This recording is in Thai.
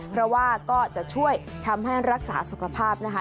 เพราะว่าก็จะช่วยทำให้รักษาสุขภาพนะคะ